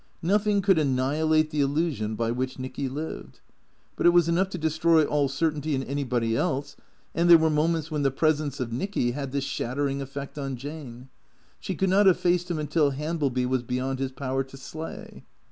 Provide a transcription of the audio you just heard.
Noth ing could annihilate the illusion by which Nicky lived. But it was enough to destroy all certainty in anybody else, and there were moments when the presence of Nicky had this shattering THE CEEA TOES 151 effect on Jane. She could not have faced him until Hambleby was beyond his power to slay.